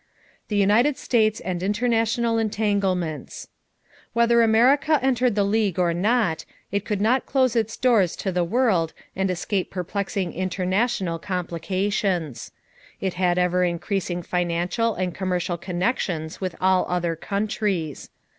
=The United States and International Entanglements.= Whether America entered the League or not, it could not close its doors to the world and escape perplexing international complications. It had ever increasing financial and commercial connections with all other countries.